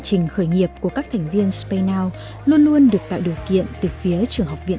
trình khởi nghiệp của các thành viên spaynow luôn luôn được tạo điều kiện từ phía trường học viện